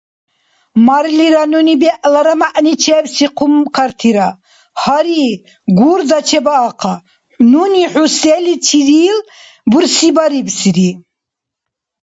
Марлира нуни бегӀлара мягӀничебси хъумкартира! Гьари, Гурда, чебаахъа, нуни хӀу селичирил бурсибарибси!